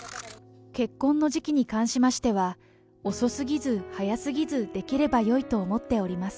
結婚の時期に関しましては、遅すぎず早すぎず、できればよいと思っております。